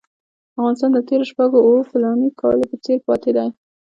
افغانستان د تېرو شپږو اوو فلاني کالو په څېر پاتې دی.